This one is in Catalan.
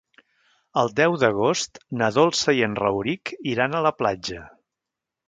El deu d'agost na Dolça i en Rauric iran a la platja.